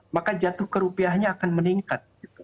maka jatuh ke rupiahnya akan meningkat